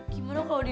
gimana kalau di